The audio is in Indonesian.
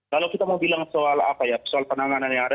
kalau kita mau bilang soal apa ya soal penanganan yang ada